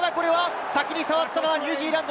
先に触ったのはニュージーランド。